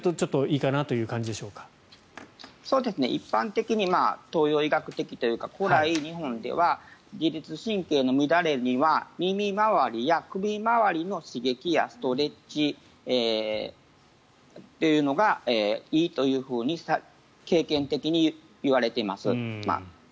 一般的に、東洋医学的というか古来、日本では自律神経の乱れには耳周りや首周りの刺激やストレッチというのがいいというふうに経験的にいわれています。